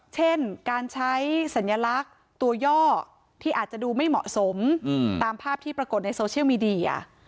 เช่นการใช้สัญลักษณ์ตัวย่อที่อาจจะดูไม่เหมาะสมตามภาพที่ปรากฏในโซเชียลมีเดีย